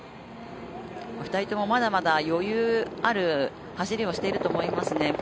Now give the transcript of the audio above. ２人とも、まだまだ余裕のある走りをしていると思います。